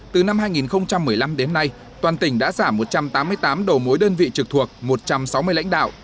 từ năm hai nghìn một mươi năm đến nay toàn tỉnh đã giảm một trăm tám mươi tám đầu mối đơn vị trực thuộc một trăm sáu mươi lãnh đạo